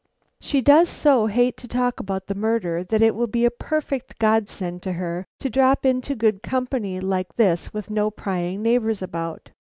"She does so hate to talk about the murder that it will be a perfect godsend to her to drop into good company like this with no prying neighbors about.